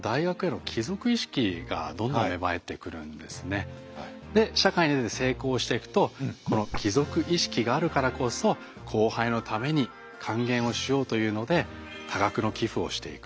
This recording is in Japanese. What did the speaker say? そこからで社会に出て成功していくとこの帰属意識があるからこそ後輩のために還元をしようというので多額の寄付をしていく。